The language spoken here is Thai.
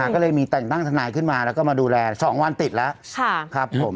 ก็เลยมีแต่งตั้งทนายขึ้นมาแล้วก็มาดูแล๒วันติดแล้วครับผม